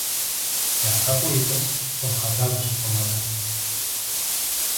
Με αυτά που είπες, τον χαντάκωσες τον Μάγκα.